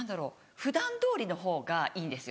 普段どおりのほうがいいんですよ